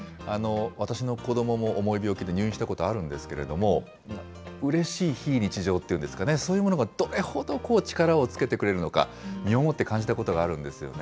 私の子どもも重い病気で入院したことあるんですけど、うれしい非日常っていうんですかね、そういうものがどれほど力をつけてくれるのか、身をもって感じたことがあるんですよね。